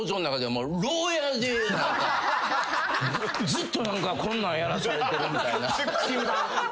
ずっと何かこんなんやらされてるみたいな。